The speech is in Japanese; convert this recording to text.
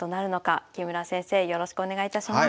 木村先生よろしくお願いいたします。